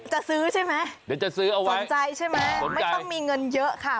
จะซื้อใช่ไหมสนใจใช่ไหมไม่ต้องมีเงินเยอะค่ะ